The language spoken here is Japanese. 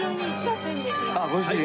あっご主人？